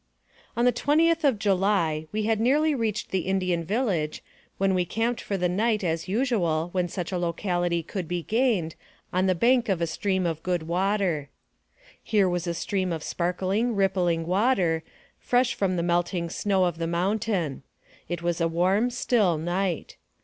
ON the 20th of July we had nearly reached the In dian village, when we camped for the night, as usual, when such a locality could be gained, on the bank of a stream of good water. Here was a stream of sparkling, rippling water, fresh from the melting snow of the mountain. It was a warm, still night.